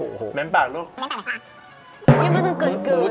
ชิคกี้พายมึงเกื่น